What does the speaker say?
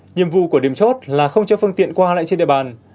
nhiệm vụ của điểm chốt là không cho phương tiện qua lại trên đại bản